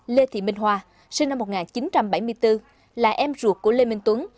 lê thị minh hoa sinh năm một nghìn chín trăm bảy mươi bốn là em ruột của lê minh tuấn